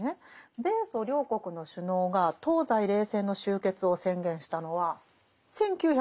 米ソ両国の首脳が東西冷戦の終結を宣言したのは１９８９年のことでしたよね。